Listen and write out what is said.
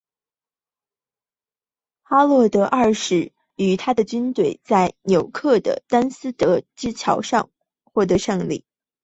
哈洛德二世与他的军队在约克的史丹福德桥之战获得胜利。